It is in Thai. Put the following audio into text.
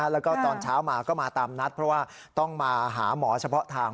แล้วก็ตอนเช้ามาก็มาตามนัดเพราะว่าต้องมาหาหมอเฉพาะทาง